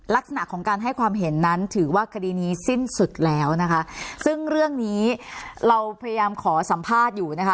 ลักษณะของการให้ความเห็นนั้นถือว่าคดีนี้สิ้นสุดแล้วนะคะซึ่งเรื่องนี้เราพยายามขอสัมภาษณ์อยู่นะคะ